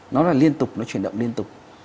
nó là liên tục nó chuyển động liên tục